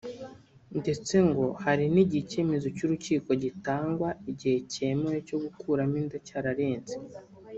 ndetse ngo hari n’igihe icyemezo cy’urukiko gitangwa igihe cyemewe cyo gukuramo inda cyararenze